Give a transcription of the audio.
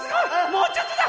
もうちょっとだ！